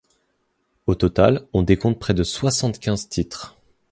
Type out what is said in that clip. Au total, on décompte près de soixante-quinze titres.